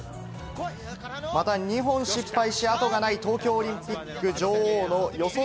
また、２本失敗し、あとがない東京オリンピック女王の四十住